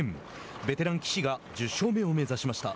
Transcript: ベテラン岸が１０勝目を目指しました。